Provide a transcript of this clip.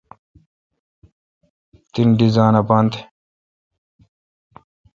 تن ڈیزان اپاتھ